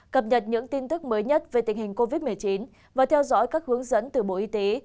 cập nhật những tin tức mới nhất về tình hình covid một mươi chín và theo dõi các hướng dẫn từ bộ y tế